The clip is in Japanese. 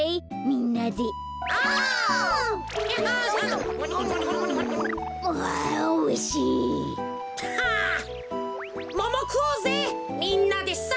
みんなでさ！